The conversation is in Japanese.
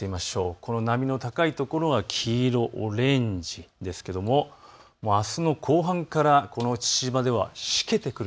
この波の高いところ、黄色、オレンジですけどもあすの後半から、この父島ではしけてくる。